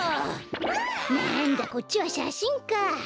なんだこっちはしゃしんか。